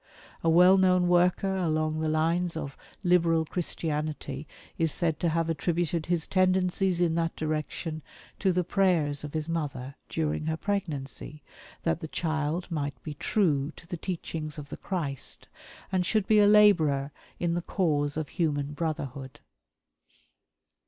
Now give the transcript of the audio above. A well known worker along the lines of liberal Christianity is said to have attributed his tendencies in that direction to the prayers of his mother, during her pregnancy, that the child might be true to the teachings of the Christ, and should be a laborer in the cause of human brotherhood.